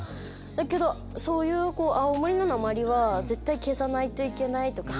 だけど青森のなまりは絶対消さないといけないとか。